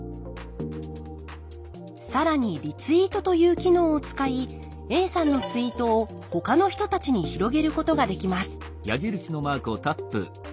更にリツイートという機能を使いＡさんのツイートをほかの人たちに広げることができます